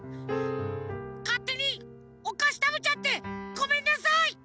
かってにおかしたべちゃってごめんなさい！